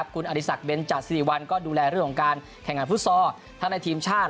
คุณอริสักเบนจาสิริวัลก็ดูแลเรื่องของการแข่งขันฟุตซอลทั้งในทีมชาติ